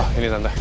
oh ini tante